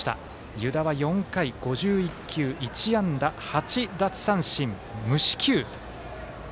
湯田は４回５１球１安打８奪三振、無四球。